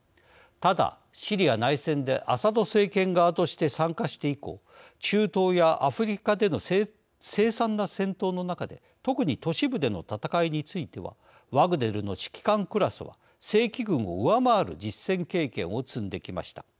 ただ、シリア内戦でアサド政権側として参加して以降中東やアフリカでの凄惨な戦闘の中で特に都市部での戦いについてはワグネルの指揮官クラスは正規軍を上回る実戦経験を積んできました。